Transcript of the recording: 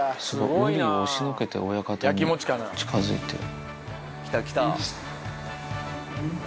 ウリを押しのけて親方に近づいてる。